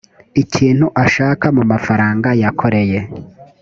ikintu ashaka mu mafaranga yakoreye